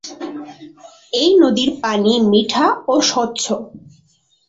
এই নদীর পানি মিঠা ও স্বচ্ছ।